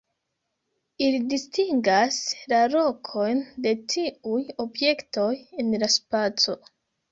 Ili distingas la lokojn de tiuj objektoj en la spaco.